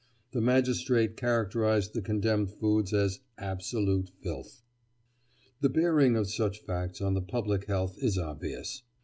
The magistrate characterised the condemned goods as "absolute filth." The bearing of such facts on the public health is obvious.